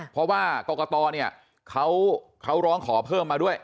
เพราะว่ากรกตเนี่ยเขาร้องขอเพิ่มมาด้วย